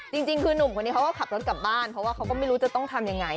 จริงคือนุ่มคนนี้เขาก็ขับรถกลับบ้านเพราะว่าเขาก็ไม่รู้จะต้องทำยังไง